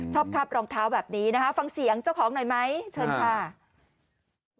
คาบรองเท้าแบบนี้นะคะฟังเสียงเจ้าของหน่อยไหมเชิญค่ะ